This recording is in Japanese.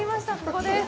ここです。